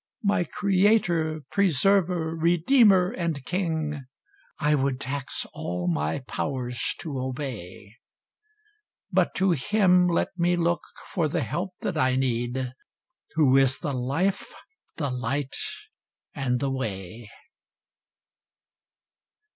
My Creator, Preserver, Redeemer and King, I would tax all my powers to obey; But to Him let me look for the help that I need, Who is the life, the light, and the way.